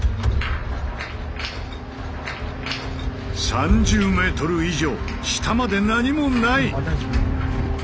３０メートル以上下まで何もない！